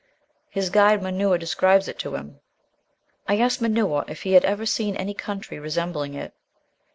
His guide Manna describes it to him: "I asked Manna if he had ever seen any country resembling it.